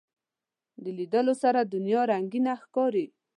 په لیدلو سره دنیا رنگینه ښکاري